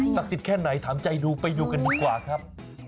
สิทธิ์แค่ไหนถามใจดูไปดูกันดีกว่าครับ